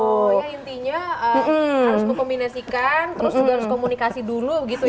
oh ya intinya harus mengkombinasikan terus juga harus komunikasi dulu gitu ya